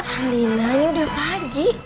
alina ini udah pagi